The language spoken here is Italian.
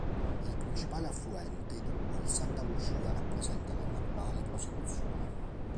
È il principale affluente, di cui il Santa Lucia rappresenta la naturale prosecuzione.